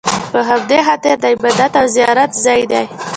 په همدې خاطر د عبادت او زیارت ځای دی.